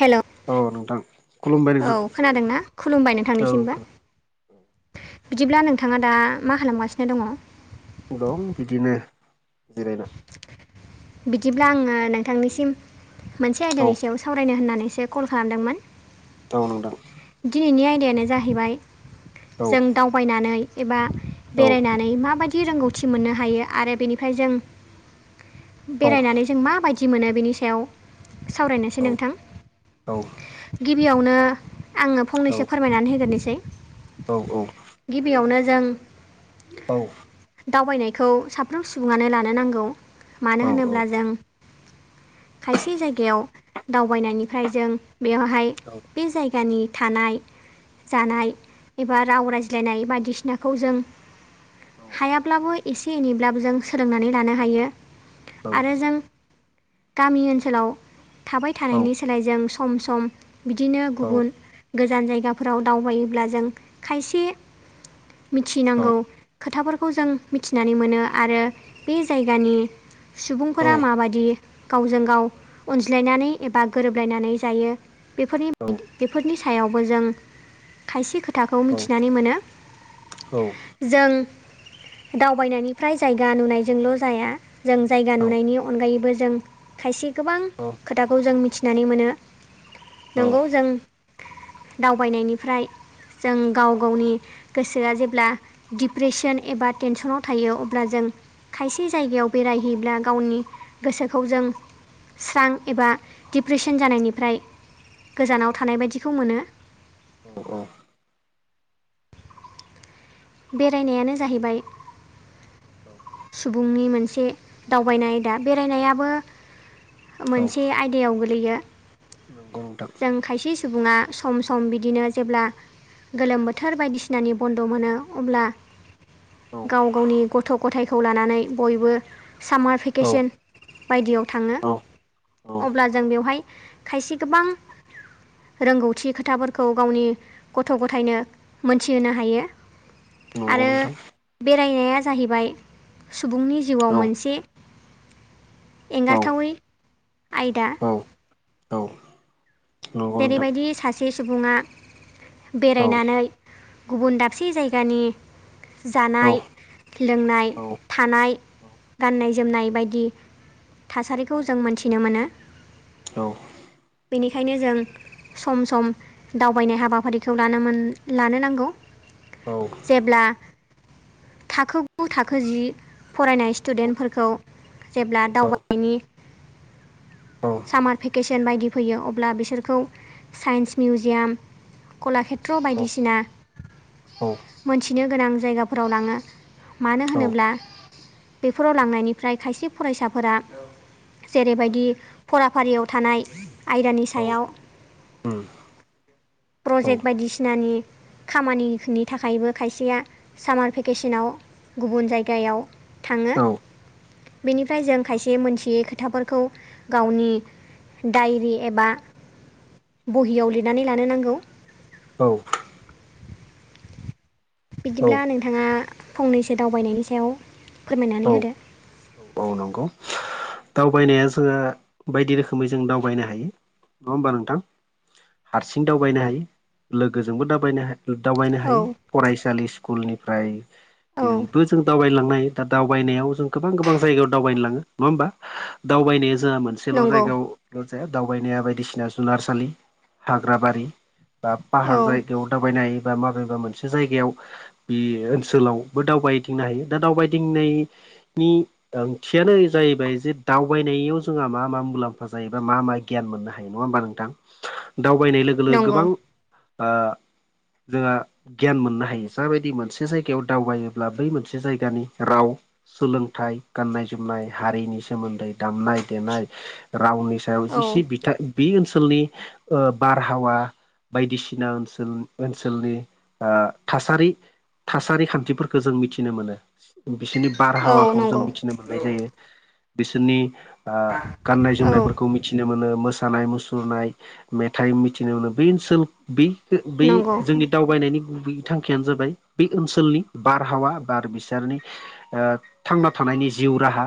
हेल' औ नोंथां खुलुमबाय औ खोनादोंना खुलुमबायनो थांनिसिमबो। नोंथां बिदिब्ला नोंथाङा दा मा खालामगासिनो दङ? दं बिदिनो बेरायना बिदिब्ला आङो नोंथांनिसिम मोनसे औ आयदानिनि सायाव सा सावरायनो होननानैसो कल खालामदोंमोन औ नोंथां। दिनैनि आयदायानो जाहैबाय औ जों दावबायनानै एबा औ बेरायनानै मायदि रोंगौथि मोननो हायो आरो बेनि जों औ बेरायनानै जों माबायदि मोनो बेनि सायाव सावरायनोसै औ नोंथां। औ गिबियावनो आङो औ फंनैसो फोरमायनानै होग्रोसै। औ औ गिबियावनो जों औ दावबायनायखौ साफ्रोम सुबुङानो लानो नांगौ मानो होनोब्ला जों खायसे जायगायाव दावबायनायनिफ्राय जों बेवहाय बे जायगा जायगानि थानाय जानाय एबा राव रायज्लायनाय बायदिसिना खौ जों हायाब्लाबो एसे एनैब्लाबो जों सोलोंनानै लानो हायो। औ आरो जों गामि ओनसोलाव थाबाय थानायनि सोलाय जों सम सम बिदिनो गुबुन गोजान जायगाफोराव दावबायोब्ला जों खायसे मिथिनांगौ खोथाफोरखौ जों मिथिनानै मोनो आरो बे जायगानि सुबुंफोरा माबादि गावजों गाव अनज्लायनानै एबा गोरोबलायनानै जायो बेफोरनि बेफोरनि नि सायावबो जों खायसे खोथाखौ मिथिनानै मोनो। जों दावबायनायनिफ्राय जायगा नुनायजोंल' जाया जों जायगा नुनायनि अनगायैबो जों खायसे गोबां खोथाखौ जों मिथिनानै मोनो। नंगौ जों दावबायनायनिफ्राय जों गाव गावनि गोसोआ जेब्ला डप्रेसन एबा टेनसनाव थायो अब्ला जों खायसे जायगायाव बेरायहैब्ला गावनि गोसोखौ जों स्रां एबा डिप्रेसन जानायनिफ्राय गोजानाव थानाय बायदिखौ मोनो औ औ बेरायनायानो जाहैबाय औ सुबुंनि मोनसे दावबायनाय आयदा बेरायनायाबो मोनसे आयदा दैयाव गोलैयो औ नोंथां जों खायसे सुबुङा सम सम बिदिनो जेब्ला गोलोम बोथोर बायदिसिनानि बन्द' मोनो अब्ला औ गाव गावनि गथ' गथायखौ लानानै बयबो सामार औ भेकेशन बायदियाव थाङो औ अब्ला जों बेवहाय खायसे गोबां रोंगौथि खोथाफोरखौ गावनि गथ' गथायनो मोनथिहोनो हायो नंगौ आरो नोंथां बेरायनाया जाहैबाय सुबुंनि जिउआव औ मोनसे औ एंगारथावै आयदा औ औ नंगौ नोंथां जेरैबायदि सासे सुबुङा औ बेरायनानै गुबुन दाबसे जायगानि औ जानाय लोंनाय औ थानाय गाननाय जोमनाय बायदि थासारिखौ जों मोनथिनो मोनो औ बेनिखायनो जों सम सम दावबायनाय हाबाफारिखौ लानो लानो नांगौ औ जेब्ला थाखो गु थाखो जि फरायनाय स्टुडेन्टफोरखौ जेब्ला दावबायनायनि सामार भेकेसन बायदि फैयो अब्ला बिसोरखौ साइन्स मिउजियाम कलाषेत्र औ बायदिसिना मोनथिनो गोनां जायगाफोराव लाङो मानो औ उम औ होनोब्ला बेफोराव लांनायनिफ्राय खायसे फरायसाफोरा जेरैबायदि फराफारियाव थानाय आयदानि सायाव प्रजेक्ट बायदिसिनानि खामानिनि थाखायबो खायसेया सामार भेकेसनाव गुबुन जायगायाव थाङो बेनिफ्राय जों खायसे मोनथियै खोथाफोरखौ गावनि डायरि एबा बहियाव लिरनानै लानो नांगौ औ औ बिदिब्ला नोंथाङा फंनैसो दावबायनायनि सायाव औ फोरमायनानै होदो औ नंगौ दावबायनाया जोंहा बायदि रोखोमै जों दावबायनो हायो नङा होमबा नोंथां हारसिं दावबायनो हायो लोगोजोंबो दाबायनो हायो दावबायनो औ हायो फरायसालि औ स्कुलनिफ्रायबो जों दावबायलांनाय दा दावबायनायाव जों गोबां गोबां जायगायाव दावबायनो लाङो नङा होमबा दावबायनाया जोंहा मोनसे ससेल' नंगौ जायगायावल' जाया दावबायनाया बायदिसिना जुनारसालि हाग्रा बारि बा औ पाहार जायगायाव दावबायनाय बा माबेबा मोनसे जायगायाव बे ओनसोलावबो दावबायदिंनो हायो दा दावबायदिंनायनि ओंथियानो जाहैबाय जे दावबायनायाव जोंहा मा मा मुलाम्फा जायोबा मा मा गियान मोननो हायो नङा होमबा नोंथां दावबायनाय लोगो लोगो नंगौ गोबां जोंहा गियान मोननो हायो जाबायदि मोनसे जायगायाव दावबायोब्ला बै मोनसे जायगानि राव सोलोंथाइ गाननाय जोमनाय हारिनि सोमोन्दै दामनाय देनाय रावनि सायाव औ जिसे बिथां बे ओनसोलनि बारहावा बायदिसिना ओनसोल ओनसोलनि ओ थासारि थासारि खान्थिफोरखौ जों मिथिनो मोनो बिसोरनि औ बारहावाखौ जों नंगौ मिथिनो मोननाय औ जायो। बिसोरनि ओ गाननाय जोमनायफोरखौ मिथिनो मोनो मोसानाय मुसुरनाय मेथाइ मिथिनो मोनो बे ओनसोल बे बै नंगौ जोंनि दावबायनायनि गुबै थांखियानो जाबाय बे ओनसोलनि बारहावा बार बिसोरनि थांना थानायनि जिउ राहा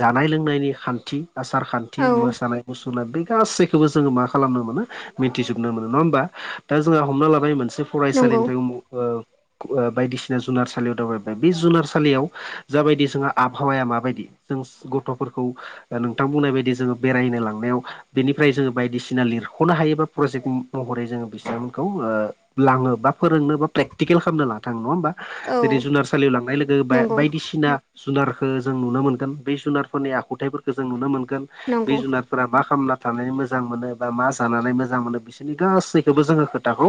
जानाय लोंनायनि ओ खान्थि आसारखान्थि औ मोसानाय मुसुरनाय बे गासैखौबो जोङो मा खालामनो मोनो। मिथिजोबनो मोनो नङा होमबा दा जोंहा हमना लानाय मोनसे नंगौ फरायसालिनिफ्राय ओ ओ बायदिसिना जुनारसालियाव दावबायबाय बे जुनार सालियाव जाबायदि जोंहा आबहावाया माबायदि जों गथ'फोरखौ नोंथां बुंनाय बायदि जोङो बेरायनो लांनायाव बेनिफ्राय जोङो बायदिसिना लिरख'नो हायोबा प्रजेक्ट महरै जोङो बिथांमोनखौ लाङो बा फोरोंनो बा प्रेकटिकेल खालामनो लाना थाङो नङा होमबा? जेरै औ जुनार सालियाव लांनाय लोगो बा नंगौ बायदिसिना थिना जुनारखौ जों नुनो मोनगोन बे जुनारफोरनि आखुथाइफोरखौ जों नुनो मोनगोन बे नंगौ जुनार फोर मा खालामना थानानै मोजां मोनो बा मा जानानै मोजां मोनो बिसोरनि गासैखौबो जोङो खोथाखौ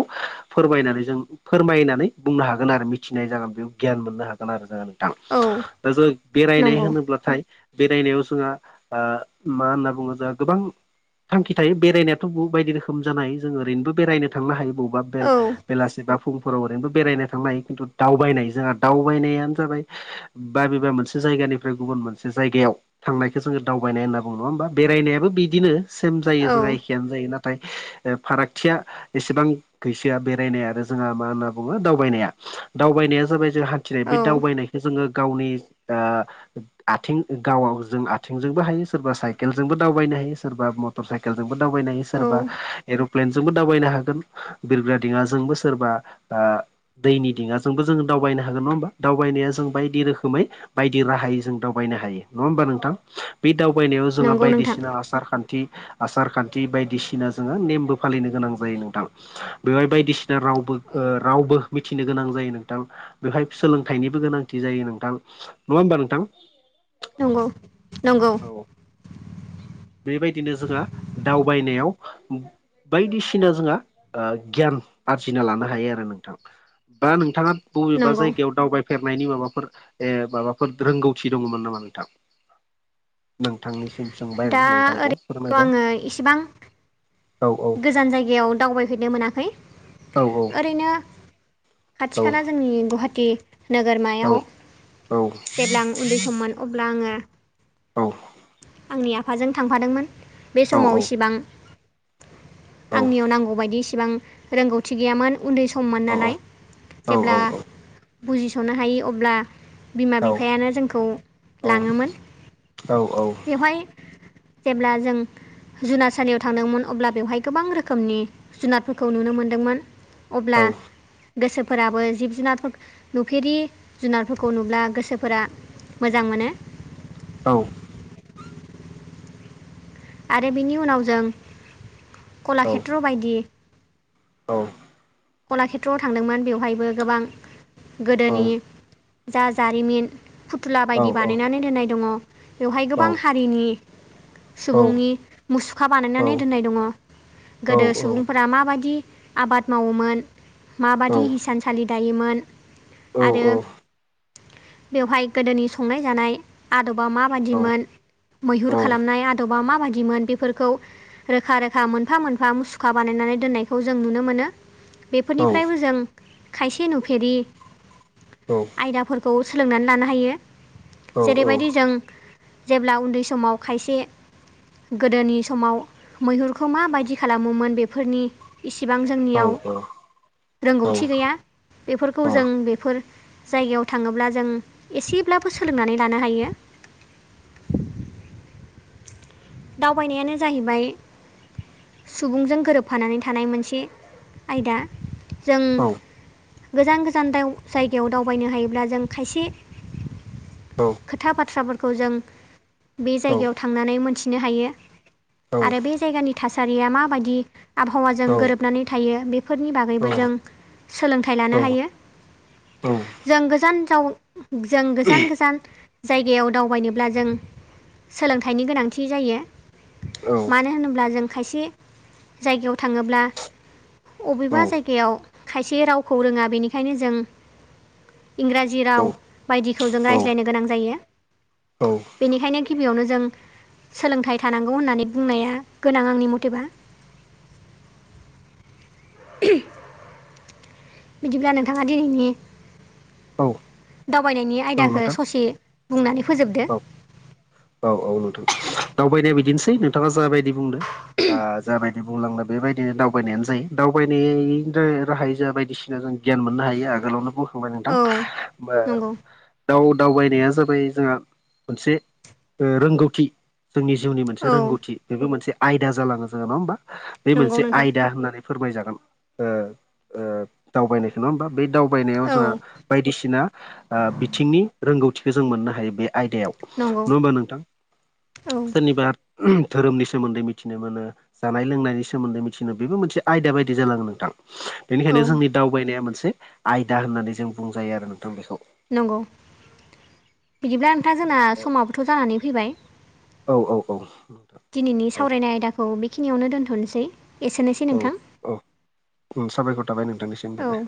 फोरमायनानै जों फोरमायनानै बुंनो हागोन आरो मिथिनाय जागोन बेयाव गियान मोननो हागोन। आरो जोङो नोंथां औ दा जो बेरायनाय नंगौ होनोब्लाथाय बेरायनायाव जोंहा ओ मा होनना बुङो जोंहा गोबां थांखि थायो बेरायनायाथ' बायदि रोखोम जानाय जों ओरैनो बेरायनो थांनो हायो। बबावबा बेल औ बेलासि बा फुंफोराव ओरैनोबो बेरायनो थांनो हायो खिन्थु दावबायनाय जोंहा दाव थगायनायानो जाबाय बाबेबा मोनसे जायगानिफ्राय गुबुन मोनसे जायगायाव थांनायखौ जोङो दावबायनाय होनना बुङो नङा होमबा बेरायनायाबो बिदिनो सेम जायो औ जोङाखि जायो नाथाय ओ फारागथिया एसेबां गैसोआ बेरायनाय आरो जोंहा मा होनना बुङो दावबायनाया दावबायनाया जाबाय जोंहा थिनाय बे औ दावबायनायखौ जोङो गावनि ओ आथिं गावाव जों आथिंजोंबो हायो सोरबा साइकेलजोंबो दावबायनो हायो सोरबा म मटर साइकेलजोंबो दावबायनो हायो सोरबा औ एर'प्लेनजोंबो दावबायनो हागोन। बिरग्रा दिङाजोंबो सोरबा ओ दैनि दिङाजोंबो जोङो दावबायनो हागोन नङा हा दावनाया जों बायदि रोखोमै बायदि राहायै जों दावबायनो हायो नङा होनबा नोंथां? बे दावबायनायाव जोंहा नंगौ नोंथां बायदिसिना आसार खान्थि खान्थि आसार खान्थि बायदिसिना जोङो नेमबो फालिनो गोनां जायो नोंथां। बेवहाय बायदिसिना रावबो औ ओ रावबो मिथिनो गोनां जायो नोंथां बेवहाय सोलोंथाइनिबो गोनांथि जायो नोंथां नङा होमबा नोंथां? नंगौ नंगौ। औ बेबायदिनो जोंहा दावबायनायाव बायदिसिना जोंहा गियान ओ आरजिना लानो हायो आरो नोंथां। बा नोंथाङा बबेबा नंगौ जायगायाव दावबाय फेरनायनि माबाफोर ए माबाफोर रोंगौथि दङमोन नामा नोंथां? नोंथांनिसिम सों दा ओरैथ' आङो इसेबां औ औ गोजान जायगायाव दावबायहैनो मोनाखै औ ओरैनो खाथि खाला जोंनि गुवाहाटी औ नोगोरमायाव औ जेब्ला आं उन्दै सममोन अब्ला आङो औ आंनि आफाजों थांफादोंमोन बे औ समाव इसिबां औ आंनियाव नांगौबायदि इसिबां रोंगौथि गैयामोन। उन्दै सममोन औ नालाय औ जेब्ला औ बुजिस'नो हायि अब्ला बिमा बिफायानो जोंखौ लाङोमोन बेवहाय जेब्ला जों जुनारसालियाव थांदोंमोन। अब्ला बेवहाय गोबां रोखोमनि जुनादफोरखौ नुनो मोनदोंमोन। अब्ला गोसोफोराबो जिब जुनाद नुफेरि जुनारफोरखौ नुब्ला गोसोफोरा मोजां मोनो। औ। आरो बिनि उनाव जों कलाखेत्र बायदि कलाखेत्रआव थांदोंमोन। बेवहायबो गोबां गोदोनि जा जारिमिन फुथुला बायदि बानायनानै दोननाय दङ। बेवहाय गोबां हारिनि सुबुंनि मुसुखा बानायनानै दोननाय दङ। गोदो सुबुंफोरा माबादि आबाद मावोमोन? माबादि हिसानसालि दायोमोन? आरो बेवहाय गोदोनि संनाय जानाय आदबा औ माबादिमोन? मैहुर औ खालामनाय आदबा माबादिमोन? बेफोरखौ रोखा-रोखा, मोनफा-मोनफा, मुसुखा बानायनानै दोननायखौ जों नुनो मोनो। औ बेफोरनिफ्रायबो जों खायसे नुफेरि आयदाफोरखौ सोलोंनानै लानो हायो। जेरैबायदि जों जेब्ला उन्दै समाव खायसे। गोदोनि समाव मैहुरखौ माबायदि खालामोमोन बेफोरनि इसिबां जोंनियाव रोंगौथि गैया। बेफोरखौ जों बेफोर जायगायाव थाङोब्ला जों एसेब्लाबो सोलोंनानै लानो हायो। दावबायनायानो जाहैबाय सुबुंजों गोरोबफानानै थानाय मोनसे आयदा। जों। गोजान गोजान दाव जायगायाव दावबायनो हायोब्ला जों खायसे खोथा बाथ्राफोरखौ जों बे जायगायाव थांनानै मोनथिनो हायो। आरो बे जायगानि थासारिया माबादि? आबहावाजों गोरोबनानै थायो। बेफोरनि बागैबो जों सोलोंथाइ लानो हायो। [inaudible] जों गोजान जाव जों गोजान गोजान जायगायाव दावबायनोब्ला जों सोलोंथाइनि गोनां। थि जायो। मानो होनोब्ला जों खायसे जायगायाव थाङोब्ला अबेबा जायगायाव खायसे रावखौ रोङा बेनिखायनो जों इंराजि राव बायदिखौ जों रायज्लायनो गोनां जायो। औ। बेनिखायनो गिबियावनो जों सोलोंथाइ थानांगौ होननानै बुंनाया गोनां आंनि मटेबा। बिदिब्ला नोंथाङा दिनैनि औ दावबायनायनि औ आयदाखो नोंथां ससे बुंनानै फोजोबदो। औ औ नोंथां दावबायनाया बिदिनोसै नोंथाङा जाबायदि बुंदों ओ जाबायदि बुंलांला बेबायदिनो दावबायनायानो जायो। दावबायनाय राहायै जा बायदिसिना जों ग्यान मोननो हायो। आगोलावनोबो फंबाय नोंथां, औ ओ नंगौ दाउ-दावबायनाया जाबाय जोंहा मोनसे रोंगौथि जोंनि जिउनि मोनसे औ रोंगौथि बेबो मोनसे। आयदा जालाङो जोङो नङा होमबा, बे नंगौ मोनसे नोंथां आयदा होननानै फोरमायजागोन ओ ओ। दावबायनायखौ नङा होमबा बे दावबायनायाव औ जोंहा बायदिसिना ओ बिथिंनि रोंगौथि जों मोननो हायो बे आयदायाव नंगौ नङा होमबा नोंथां। औ सोरनिबा धोरोमनि सोमोन्दै मिथिनो मोनो। जानाय लोंनायनि सोमोन्दै मिथिनो, बेबो मोनसे आयदा बायदि जालाङो नोंथां। औ बेनिखायनो जोंनि दावबायनाया मोनसे आयदा होननानै जों बुंजायो आरो नोंथां बेखौ नंगौ बिदिब्ला नोंथाङा जोंना समाबोथ' जानानै फैबाय औ औ औ दिनैनि औ सावरायनाय आयदाखौ बेखिनियावनो दोन्थ'नोसै एसेनोसै औ नोंथां औ साबायखर थाबाय नोंथांनिसिमबो औ दे